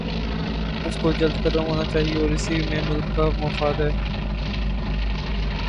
اس کو جلد ختم ہونا چاہیے اور اسی میں ملک کا مفاد ہے۔